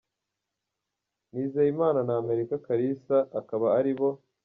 Nizeyimana na America Kalisa akaba ari bo.